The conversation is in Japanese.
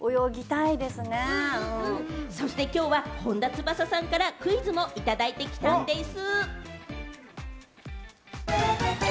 そしてきょうは本田翼さんからクイズもいただいてきたんでぃす。